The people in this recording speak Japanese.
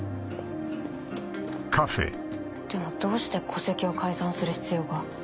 でもどうして戸籍を改ざんする必要が？